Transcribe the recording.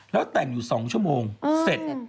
แล้วแต่งอยู่๒ชั่วโมงเสร็จ